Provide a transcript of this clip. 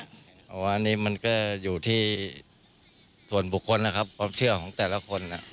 เพราะว่าอันนี้มันก็อยู่ที่ส่วนบุคคลนะครับความเชื่อของแต่ละคน